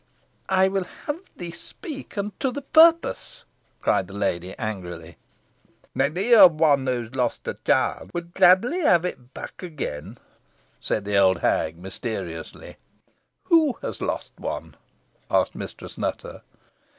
"I will have thee speak, and to the purpose," cried the lady, angrily. "Many an one has lost a child who would gladly have it back again," said the old hag, mysteriously. "Who has lost one?" asked Mistress Nutter.